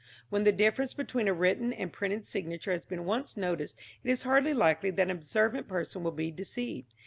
When the difference between a written and printed signature has been once noticed it is hardly likely that an observant person will be deceived.